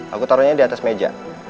aku taruhnya di atas meja